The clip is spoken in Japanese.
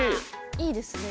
いいですね。